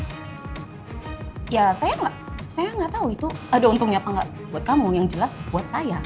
ya saya gak tau itu ada untungnya apa enggak buat kamu yang jelas itu buat saya